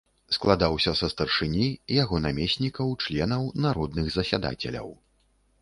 Складаўся са старшыні, яго намеснікаў, членаў, народных засядацеляў.